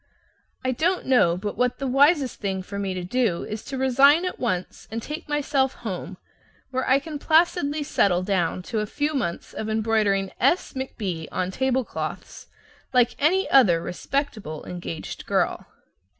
I don't know but what the wisest thing for me to do is to resign at once and take myself home, where I can placidly settle down to a few months of embroidering "S McB" on table cloths, like any other respectable engaged girl.